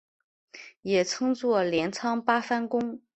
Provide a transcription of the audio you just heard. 也称作镰仓八幡宫。